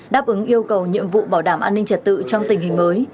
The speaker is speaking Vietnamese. đáp ứng yêu cầu nhiệm vụ bảo đảm an ninh trật tự trong tình hình mới